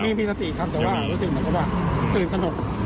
มีมีสติครับแต่ว่ารู้สึกเหมือนกับว่าตื่นตนก